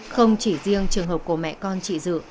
không chỉ riêng trường hợp của mẹ con chị dự